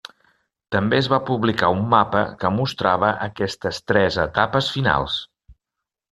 També es va publicar un mapa que mostrava aquestes tres etapes finals.